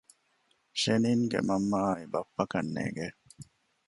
ޝެނިންގެ މަންމައާއި ބައްޕަ ކަންނޭނގެ